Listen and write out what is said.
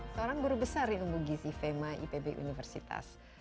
seorang guru besar di umbu gizi fema ipb universitas